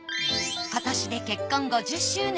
今年で結婚５０周年。